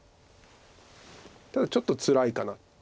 ただちょっとつらいかな。